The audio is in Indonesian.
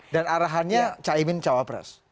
dan arahannya caimin cawapres